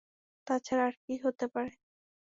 তা ছাড়া আর কী হতে পারে?